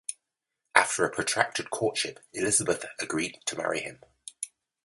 After a protracted courtship, Elizabeth agreed to marry him.